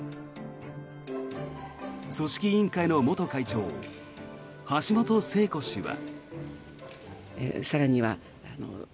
組織委員会の元会長橋本聖子氏は。